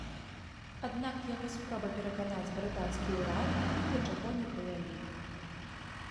Аднак яго спробы пераканаць брытанскі ўрад ні да чаго не прывялі.